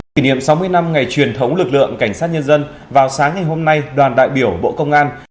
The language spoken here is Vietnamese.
kỷ niệm sáu mươi năm ngày truyền thống lực lượng cảnh sát nhân dân vào sáng ngày hôm nay đoàn đại biểu bộ công an